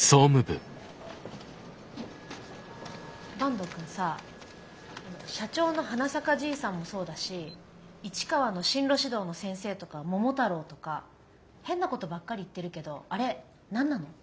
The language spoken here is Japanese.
坂東くんさ社長のはなさかじいさんもそうだし市川の進路指導の先生とか桃太郎とか変なことばっかり言ってるけどあれ何なの？